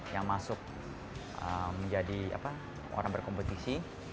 yang masuk menjadi orang berkompetisi